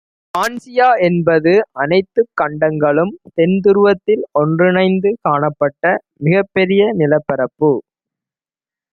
பான்ஜியா என்பது அனைத்துக் கண்டங்களும் தென்துருவத்தில் ஒன்றிணைந்து காணப்பட்ட மிகப்பெரிய நிலப்பரப்பு